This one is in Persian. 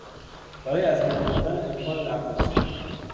برای از میان بردن امکان لغزش